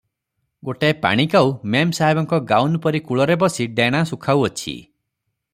ଗୋଟାଏ ପାଣିକାଉ ମେମେସାହେବଙ୍କ ଗାଉନ୍ ପରି କୂଳରେ ବସି ଡେଣା ସୁଖାଉ ଅଛି ।